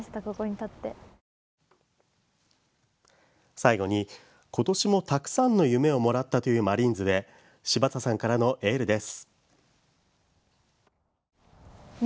最後に、今年もたくさんの夢をもらったというマリーンズへ柴田さんからのエールです。